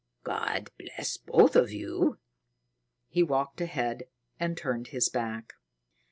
God bless both of you." He walked ahead and turned his back.